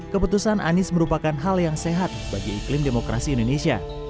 keputusan anies merupakan hal yang sehat bagi iklim demokrasi indonesia